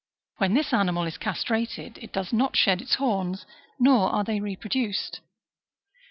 When this animal is castrated it does not shed its horns, nor are they reproduced.